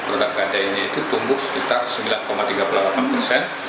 produk kt nya itu tumbuh sekitar sembilan tiga puluh delapan persen